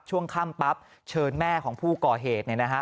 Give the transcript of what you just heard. ช่วงค่ำปั๊บเชิญแม่ของผู้ก่อเหตุเนี่ยนะฮะ